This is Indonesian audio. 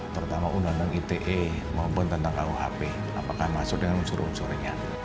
terutama undang undang ite maupun tentang kuhp apakah masuk dengan unsur unsurnya